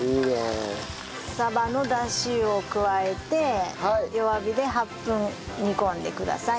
サバの出汁を加えて弱火で８分煮込んでください。